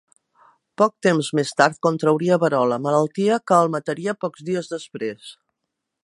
Poc temps més tard contrauria verola, malaltia que el mataria pocs dies després.